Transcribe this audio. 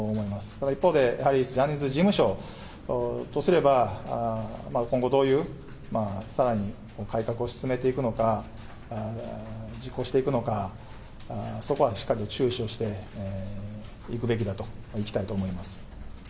ただ一方で、やはりジャニーズ事務所とすれば、今後どういう、さらに改革を進めていくのか、実行していくのか、そこはしっかりと注視をしていくべきだと、いきたいと思います。